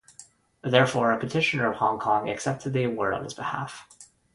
Therefore, a petitioner of Hong Kong accepted the award on his behalf.